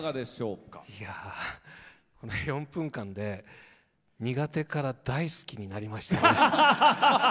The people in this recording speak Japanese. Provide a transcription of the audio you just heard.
４分間で苦手から大好きになりましたね。